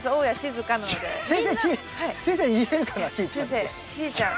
先生「しーちゃん」。